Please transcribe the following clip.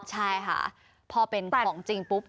ใช่ค่ะพอเป็นของจริงปุ๊บ